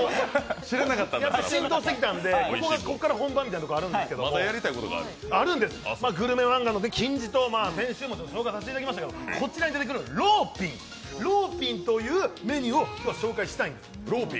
やっと浸透してきたんでここからが本番みたいな感じなんですけどグルメ漫画の金字塔、先週も紹介させていただきましたけどこちらに出てくるローピンというメニューを今日は紹介したい。